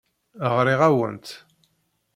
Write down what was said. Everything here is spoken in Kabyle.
Ɣriɣ-awent.